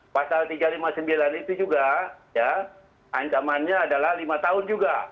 pasal tiga ratus lima puluh sembilan itu juga ya ancamannya adalah lima tahun juga